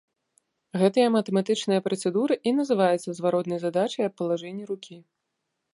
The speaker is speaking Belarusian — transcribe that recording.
Гэтая матэматычная працэдура і называецца зваротнай задачай аб палажэнні рукі.